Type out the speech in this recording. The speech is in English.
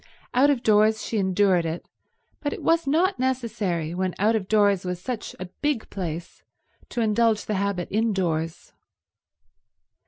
Out of doors she endured it, but it was not necessary, when out of doors was such a big place, to indulge the habit indoors.